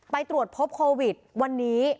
ไปตรวจพบโควิดวันนี้